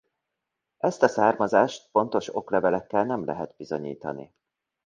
Ezt a származást pontos oklevelekkel nem lehet bizonyítani.